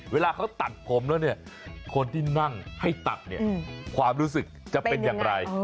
เวลาเขาตัดผมแล้วเนี่ยคนที่นั่งให้ตัดเนี่ยความรู้สึกจะเป็นอย่างไร